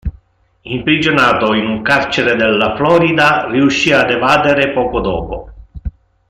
Imprigionato in un carcere della Florida, riuscì ad evadere poco dopo.